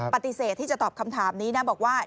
ปฏิเสธที่จะตอบคำถามนี้นะบอกว่า